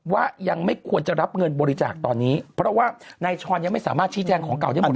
ว่ายังไม่ควรจะรับเงินบริจาคตอนนี้เพราะว่านายช้อนยังไม่สามารถชี้แจงของเก่าได้หมด